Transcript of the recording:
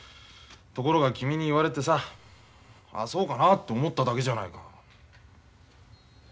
ところが君に言われてさああそうかなって思っただけじゃないか。